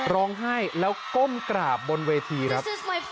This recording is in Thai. ร้องไห้แล้วก้มกราบบนเวทีครับ